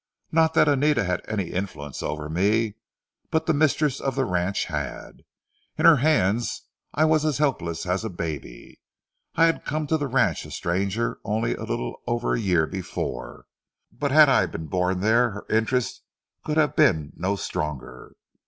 Not that Anita had any influence over me, but the mistress of the ranch had. In her hands I was as helpless as a baby. I had come to the ranch a stranger only a little over a year before, but had I been born there her interest could have been no stronger.